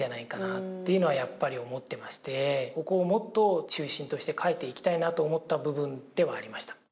そこをもっと中心として書いていきたいと思ってきた部分ではありました。